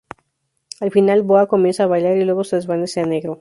Al final, BoA comienza a bailar y luego se desvanece a negro.